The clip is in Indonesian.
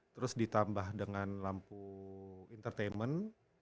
terus ditambah dengan lampu entertainment